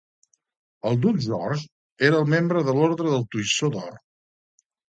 El duc George era membre de l'Orde del Toisó d'Or.